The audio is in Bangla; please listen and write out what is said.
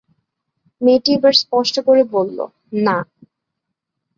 মেয়েটি এবার স্পষ্ট করে বলল, না।